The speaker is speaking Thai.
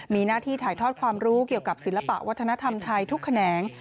มีหน้าที่ถ่ายทอดความรู้เกี่ยวกับศิลปะวัฒนธรรมไทยทุกแขนง